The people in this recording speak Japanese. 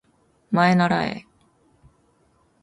まえならえ